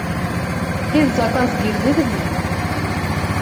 Һеҙ заказ бирҙегеҙме?